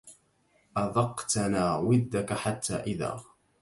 أذقتنا ودك حتى إذا